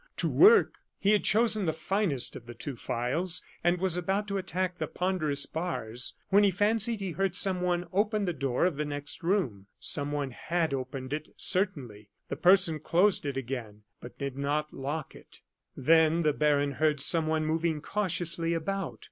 to work!" He had chosen the finest of the two files, and was about to attack the ponderous bars, when he fancied he heard someone open the door of the next room. Someone had opened it, certainly. The person closed it again, but did not lock it. Then the baron heard someone moving cautiously about.